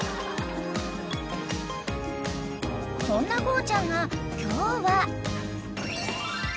［そんなゴーちゃんが今日は］